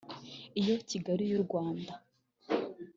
Iyo Kigali y’u Rwanda